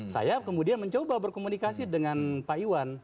saya kemudian mencoba berkomunikasi dengan pak iwan